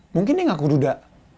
mungkin deh ngaku duda